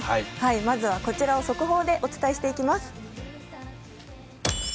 まずはこちらを速報でお伝えしていきます。